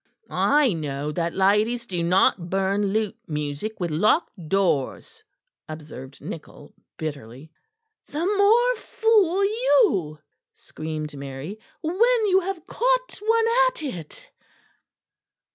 "I know that ladies do not burn lute music with locked doors," observed Nichol bitterly. "The more fool you!" screamed Mary, "when you have caught one at it."